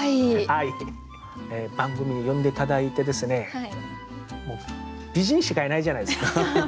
番組呼んで頂いてですねもう美人しかいないじゃないですか。